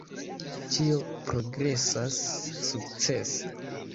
Ĉio progresas sukcese.